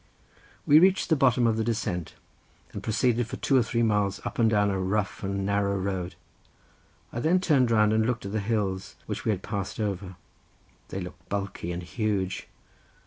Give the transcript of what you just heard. We reached the bottom of the descent, and proceeded for two or three miles up and down a rough and narrow road; I then turned round and looked at the hills which we had passed over. They looked bulky and huge.